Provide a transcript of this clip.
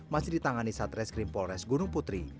masih ditangani saat reskrim polres gunung putri